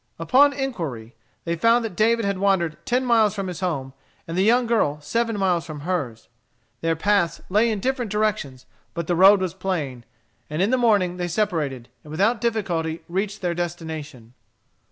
Upon inquiry they found that David had wandered ten miles from his home, and the young girl seven from hers. Their paths lay in different directions, but the road was plain, and in the morning they separated, and without difficulty reached their destination.